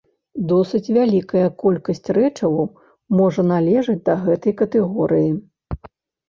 Досыць вялікая колькасць рэчываў можа належаць да гэтай катэгорыі.